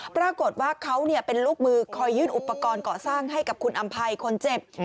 ปรากฏว่าเขาเป็นลูกมือคอยยื่นอุปกรณ์ก่อสร้างให้กับคุณอำภัยคนเจ็บ